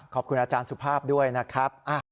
ขอบคุณอาจารย์สุภาพด้วยนะครับ